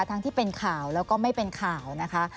ทั้งที่เป็นข่าวแล้วก็ไม่เป็นข่าวนะคะ